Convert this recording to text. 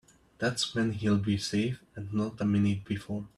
That's when he'll be safe and not a minute before.